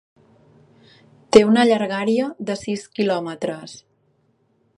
Té una llargària de sis quilòmetres.